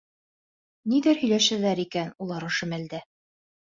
Ниҙәр һөйләшәләр икән улар ошо мәлдә?